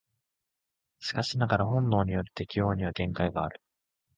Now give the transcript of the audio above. しかしながら本能による適応には限界がある。